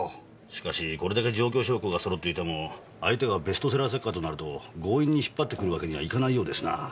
しかしこれだけ状況証拠が揃っていても相手がベストセラー作家となると強引に引っ張ってくるわけにはいかないようですな。